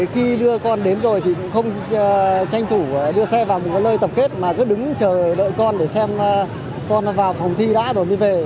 khi đưa con đến rồi thì cũng không tranh thủ đưa xe vào mình có lơi tập kết mà cứ đứng chờ đợi con để xem con vào phòng thi đã rồi mới về